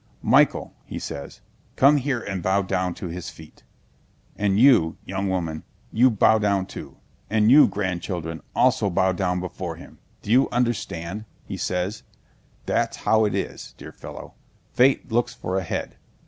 'Michael,' he says, 'come here and bow down to his feet; and you, young woman, you bow down too; and you, grandchildren, also bow down before him! Do you understand?' he says. That's how it is, dear fellow. Fate looks for a head.